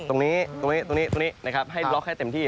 ตรงนี้ให้ล็อกให้เต็มที่